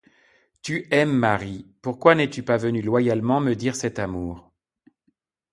Tu aimes Marie, pourquoi n'es-tu pas venu loyalement me dire cet amour?